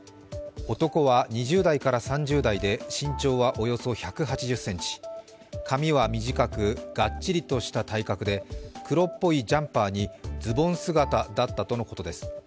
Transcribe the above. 男は２０代から３０代で身長はおよそ１８０ｃｍ、髪は短く、がっちりとした体格で黒っぽいジャンパーにズボン姿だったとのことです。